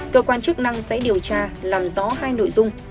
cơ quan chức năng sẽ điều tra làm rõ hai nội dung